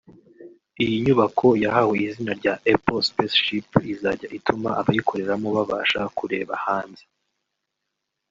Iyi nyubako yahawe izina rya Apple Spaceship izajya ituma abayikoreramo babasha kureba hanze